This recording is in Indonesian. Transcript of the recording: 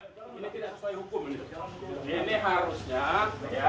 ini tidak sesuai hukum